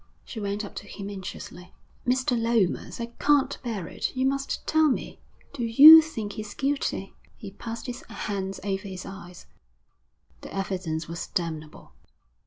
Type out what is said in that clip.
She went up to him anxiously. 'Mr. Lomas, I can't bear it. You must tell me. Do you think he's guilty?' He passed his hands over his eyes. 'The evidence was damnable.'